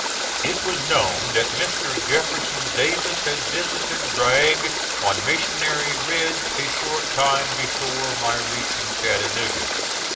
It was known that Mr. Jefferson Davis had visited Bragg on Missionary Ridge a short time before my reaching Chattanooga.